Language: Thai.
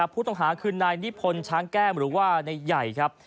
ผู้ต้องหาคือนายนิพนธ์ช้างแก้มหรือว่านายใหญ่ครับ